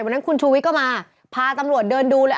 วันนั้นคุณชูวิทย์ก็มาพาตำรวจเดินดูเลย